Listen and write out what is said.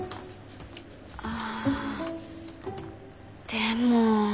あでも。